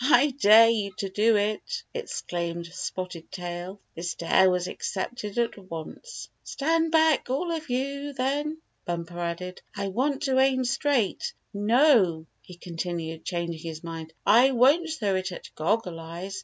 " I dare you to do it !" exclaimed Spotted Tail. This dare was accepted at once. "Stand back, all of you, then!" Bumper added. "I want to aim straight. No," he con tinued, changing his mind, " I won't throw it at Goggle Eyes.